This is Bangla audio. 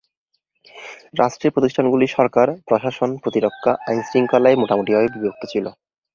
রাষ্ট্রের প্রতিষ্ঠানগুলি সরকার, প্রশাসন, প্রতিরক্ষা, আইন শৃঙ্খলায় মোটামুটিভাবে বিভক্ত ছিল।